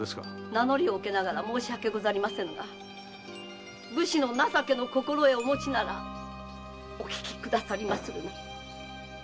名乗りを受けながら申し訳ござりませぬが武士の情けの心得をお持ちならお訊きくださりまするな。